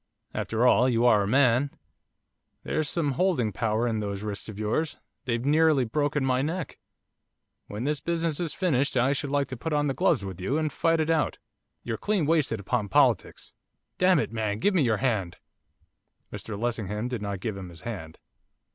After all, you are a man. There's some holding power in those wrists of yours, they've nearly broken my neck. When this business is finished, I should like to put on the gloves with you, and fight it out. You're clean wasted upon politics. Damn it, man, give me your hand!' Mr Lessingham did not give him his hand.